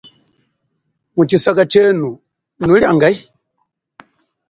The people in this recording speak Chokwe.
Mutshisaka tshenu nuli angahi.